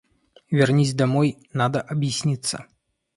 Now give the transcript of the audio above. Вернись домой, надо объясниться.